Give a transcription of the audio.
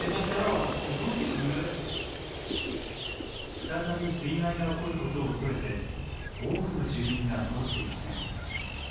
再び水害が起こることを恐れて多くの住民が戻っていません。